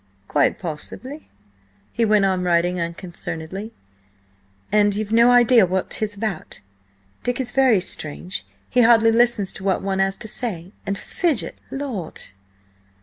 "Quite possibly." He went on writing unconcernedly. "And you've no idea of what 'tis about? Dick is very strange. He hardly listens to what one has to say, and fidget–Lord!"